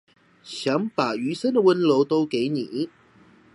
想把餘生的溫柔都給你